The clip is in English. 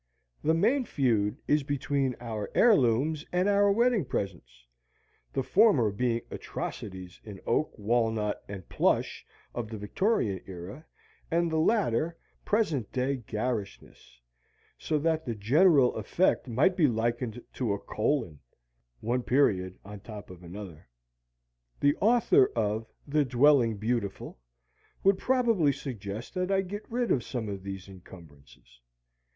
The main feud is between our heirlooms and our wedding presents the former being atrocities in oak, walnut and plush of the Victorian era, and the latter, present day garishnesses; so that the general effect might be likened to a colon: one period on top of another. The author of "The Dwelling Beautiful" would probably suggest that I get rid of some of these incumbrances.